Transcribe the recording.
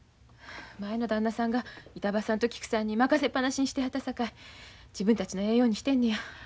前の旦那さんが板場さんとキクさんに任せっぱなしにしてはったさかい自分たちのええようにしてんねや。